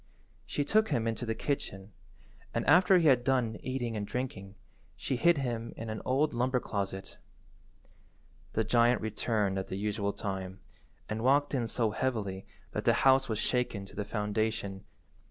She took him into the kitchen, and after he had done eating and drinking, she hid him in an old lumber closet. The giant returned at the usual time, and walked in so heavily that the house was shaken to the foundation.